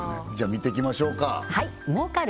見ていきましょうか儲かる！